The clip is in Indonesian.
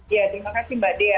ya terima kasih mbak dea